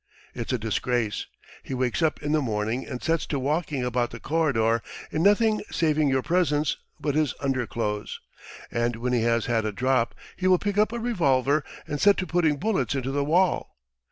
It's a disgrace! He wakes up in the morning and sets to walking about the corridor in nothing, saving your presence, but his underclothes. And when he has had a drop he will pick up a revolver and set to putting bullets into the wall.